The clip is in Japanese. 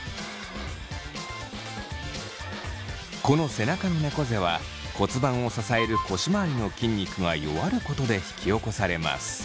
この背中のねこ背は骨盤を支える腰まわりの筋肉が弱ることで引き起こされます。